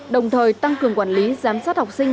đồng thời tăng cường quản lý giám sát học sinh